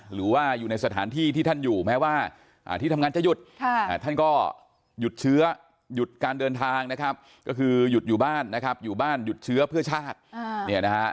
หรือว่าอยู่ในสถานที่ท่านอยู่แม้ว่าที่ทำงานจะหยุดท่านก็หยุดเชื้อหยุดการเดินทางก็คือหยุดอยู่บ้านหยุดเชื้อเพื่อชาติ